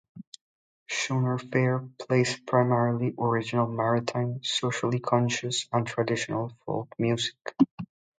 Schooner Fare plays primarily original maritime, socially conscious, and traditional folk music.